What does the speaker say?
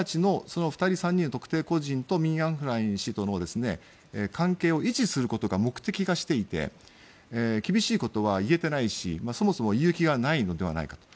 ２人、３人の特定個人とミン・アウン・フライン氏との関係を維持することが目的化していて厳しいことは言えてないしそもそも言う気がないのではないか。